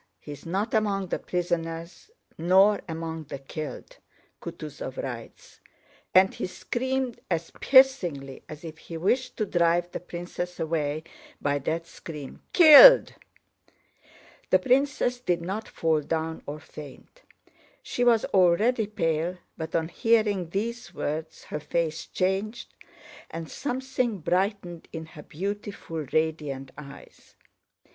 He's not among the prisoners nor among the killed! Kutúzov writes..." and he screamed as piercingly as if he wished to drive the princess away by that scream... "Killed!" The princess did not fall down or faint. She was already pale, but on hearing these words her face changed and something brightened in her beautiful, radiant eyes.